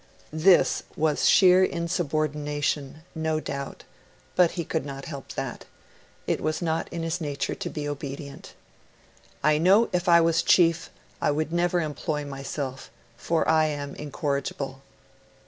This was sheer insubordination, no doubt; but he could not help that; it was not in his nature to be obedient. 'I know if I was chief, I would never employ myself, for I am incorrigible.'